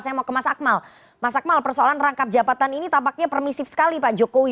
saya mau ke mas akmal mas akmal persoalan rangkap jabatan ini tampaknya permisif sekali pak jokowi